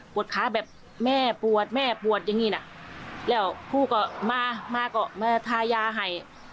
ขาแบบแม่ปวดแม่ปวดอย่างนี้นะแล้วครูก็มามาก็มาทายาให้